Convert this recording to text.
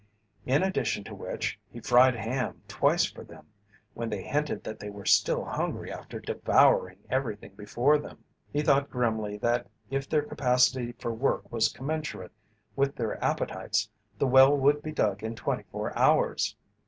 In addition to which, he fried ham twice for them when they hinted that they were still hungry after devouring everything before them. He thought grimly that if their capacity for work was commensurate with their appetites, the well would be dug in twenty four hours.